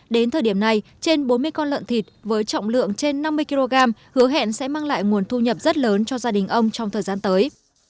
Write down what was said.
đến thời điểm này trên bốn mươi con lợn thịt với trọng lượng trên năm mươi kg hứa hẹn sẽ mang lại nguồn thu nhập rất lớn cho gia đình ông trong thời gian tới